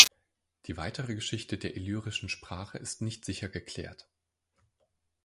Die weitere Geschichte der illyrischen Sprache ist nicht sicher geklärt.